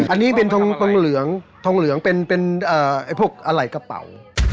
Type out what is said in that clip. อันนี้เป็นท้องเหลืองเท่าไรกระเป๋า